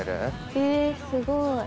えすごい。